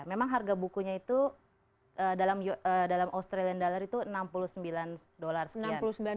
memang harga bukunya itu dalam australian dollar itu enam puluh sembilan dolar